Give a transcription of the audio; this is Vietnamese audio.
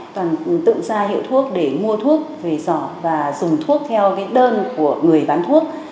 toàn tự ra hiệu thuốc để mua thuốc về giỏ và dùng thuốc theo cái đơn của người bán thuốc